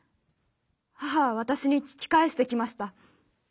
母は私に聞き返してきました。